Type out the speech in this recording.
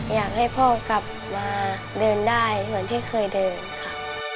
อยากให้พ่อกลับมาเดินได้เหมือนที่เคยเดินค่ะ